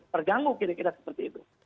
terganggu kira kira seperti itu